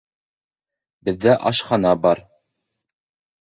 Беҙҙә ашхана бар